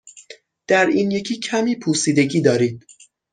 در این یکی کمی پوسیدگی دارید.